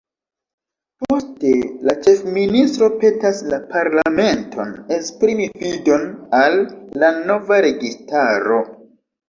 Poste la ĉefministro petas la parlamenton esprimi fidon al la nova registaro.